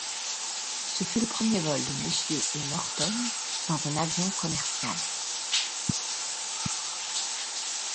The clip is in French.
Ce fut le premier vol de Mr et Norton dans un avion commercial.